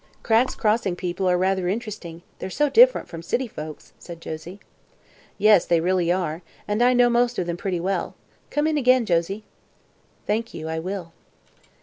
"Cragg's Crossing people are rather interesting; they're so different from city folks," said Josie. "Yes, they really are, and I know most of them pretty well. Come in again, Josie." "Thank you; I will."